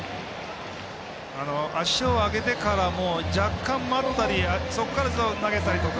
足を上げてからも若干待ったり、そこから投げたりとか。